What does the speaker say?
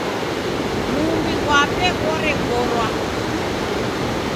Mumbi ghwape ghorekorwa.